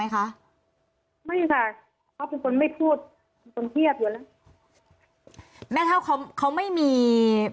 เขาไม่มี